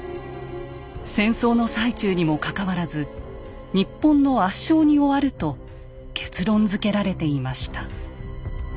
戦争の最中にもかかわらず日本の圧勝に終わると結論づけられていました。